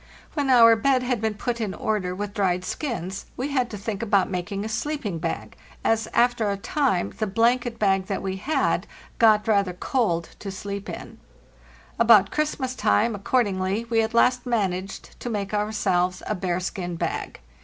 When our bed had been put in order with dried skins we had to think about making a sleep ing bag, as, after a time, the blanket bag that we had got rather cold to sleep in, About Christmas time, accord ingly, we at last managed to make ourselves a bearskin bag.